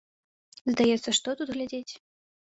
Здаецца, што тут глядзець?